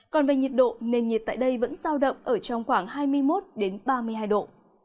còn về nhiệt độ nền nhiệt tại đây vẫn giao động ở trong khoảng hai mươi một ba mươi hai độ